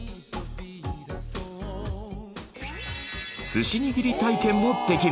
寿司握り体験もできる！